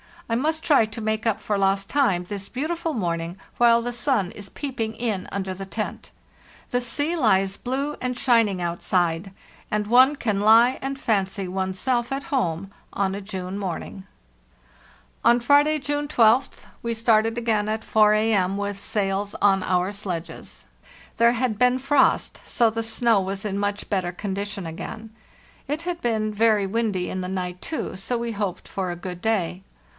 I must try to make up for lost time this beautiful morning, while the sun is peeping in under the tent. The sea hes blue and shining outside, and one can lie and fancy one's self at home on a June morning." 510 FARTHEST NORTH On Friday, June 12th, we started again at 4 A.M. with sails on our sledges. There had been frost, so the snow was in much better condition again. It had been very windy in the night, too, so we hoped for a good day.